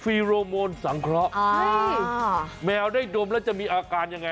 ีโรโมนสังเคราะห์แมวได้ดมแล้วจะมีอาการยังไง